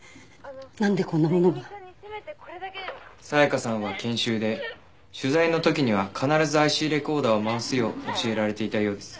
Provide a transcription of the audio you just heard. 紗香さんは研修で取材の時には必ずＩＣレコーダーを回すよう教えられていたようです。